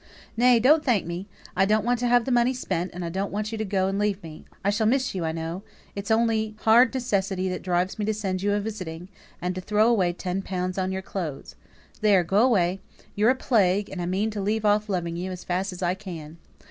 Nay, don't thank me! I don't want to have the money spent, and I don't want you to go and leave me: I shall miss you, I know; it's only hard necessity that drives me to send you a visiting, and to throw away ten pounds on your clothes. There, go away; you're a plague, and I mean to leave off loving you as fast as I can."